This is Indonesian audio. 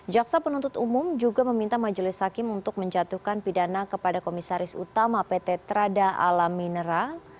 jaksa penuntut umum juga meminta majelis hakim untuk menjatuhkan pidana kepada komisaris utama pt trada alam minera